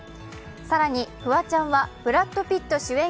更に、フワちゃんはブラッド・ピット主演